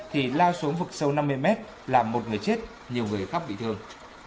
thì lao xuống vực sâu năm mươi mét làm một người chết nhiều người khác bị thương